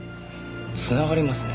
繋がりますね。